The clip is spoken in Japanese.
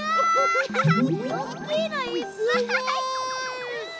はい！